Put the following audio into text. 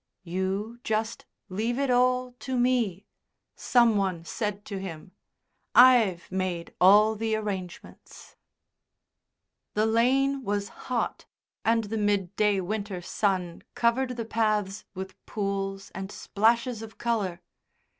"You just leave it all to me," some one said to him. "I've made all the arrangements." The lane was hot, and the midday winter sun covered the paths with pools and splashes of colour.